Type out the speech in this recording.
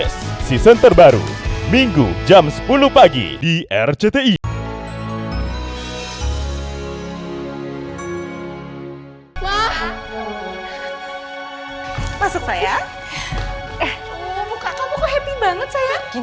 lima s season terbaru minggu jam sepuluh pagi di rcti